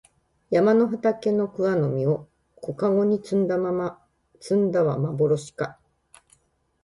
山の畑の桑の実を小かごに摘んだはまぼろしか